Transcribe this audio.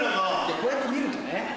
こうやって見るとね。